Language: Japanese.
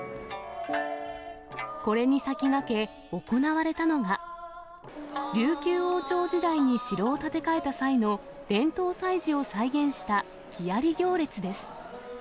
これに先駆け、行われたのが、琉球王朝時代に城を建て替えた際の伝統祭事を再現した、木遣行列です。